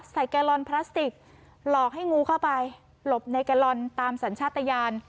แกลลอนพลาสติกหลอกให้งูเข้าไปหลบในแกลลอนตามสัญชาติยาน